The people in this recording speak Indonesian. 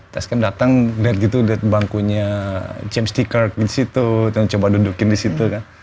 test camp datang liat gitu liat bangkunya james t kirk disitu dan coba dudukin disitu kan